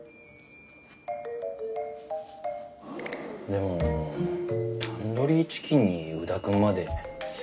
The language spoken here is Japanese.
でもタンドリーチキンに宇田くんまで。